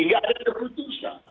sehingga ada keputusan